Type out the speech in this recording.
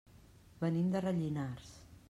Venim de Rellinars.